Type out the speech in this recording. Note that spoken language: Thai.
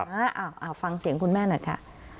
เอาฟังเสียงคุณแม่หน่อยค่ะ